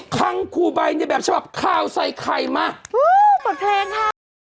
คังคูใบในแบบฉบับข่าวใส่ไข่มาเปิดเพลงค่ะ